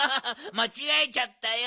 まちがえちゃったよ。